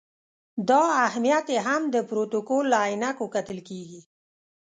دا اهمیت یې هم د پروتوکول له عینکو کتل کېږي.